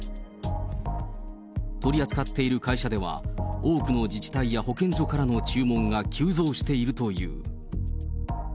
取り扱っている会社では、多くの自治体や保健所からの注文が急増しているという。